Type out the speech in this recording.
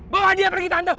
bawa dia pergi tante